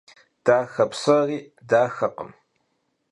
Daxe psori daxekhım.